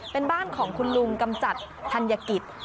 เป็นบ้านของคุณลุงกำจัดธัญกิจ